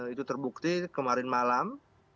itu terbukti kemarin malam